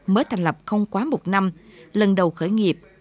mới thành lập không quá một năm lần đầu khởi nghiệp